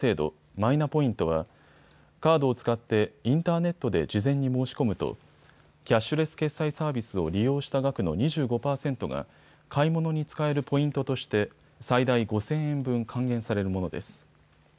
マイナポイントはカードを使ってインターネットで事前に申し込むとキャッシュレス決済サービスを利用した額の２５％が買い物に使えるポイントとして最大５０００円分還元されるものです。